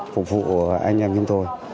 phục vụ của anh em như tôi